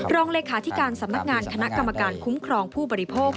รองเลขาธิการสำนักงานคณะกรรมการคุ้มครองผู้บริโภค